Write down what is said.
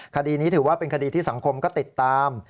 คดีนี้ถือว่าเป็นคดีที่สังคมก็ติดตาม